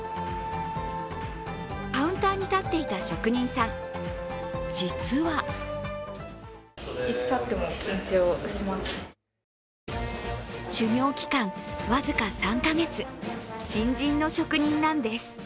カウンターに立っていた職人さん、実は修業期間僅か３か月、新人の職人なんです。